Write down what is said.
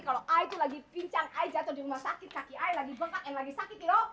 kalau i itu lagi pincang i jatuh di rumah sakit kaki i lagi bengkak n lagi sakit ya